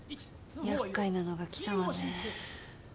やっかいなのが来たわね。